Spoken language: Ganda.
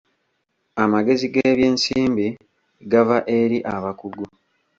Amagezi g’ebyensimbi gava eri abakugu.